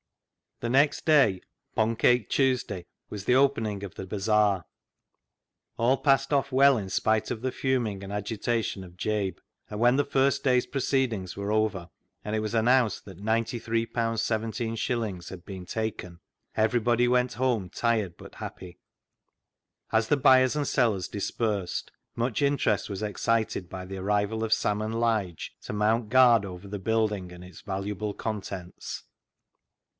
The next day, " Poncake Tuesday," was the opening of the bazaar. All passed off well in spite of the fuming and agitation of Jabe, and when the first day's proceedings were over, and it was announced that ^93, 17s. had been taken, everybody went home tired but happy. As the buyers and sellers dispersed, much interest was excited by the arrival of Sam and Lige to mount guard over the building and its valuable contents.